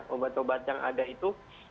obat obat yang ada itu